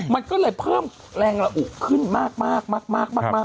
มันก็เลยเพิ่มแรงระอุขึ้นมาก